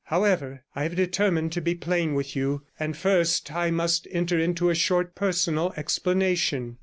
However, I have determined to be plain with you, and first I must enter into a short personal explanation.